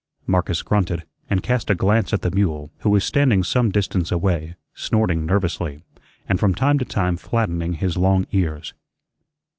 Marcus grunted, and cast a glance at the mule, who was standing some distance away, snorting nervously, and from time to time flattening his long ears.